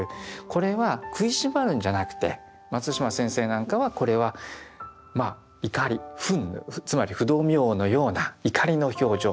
これは食いしばるんじゃなくて松島先生なんかはこれはまあ怒り憤怒つまり不動明王のような怒りの表情。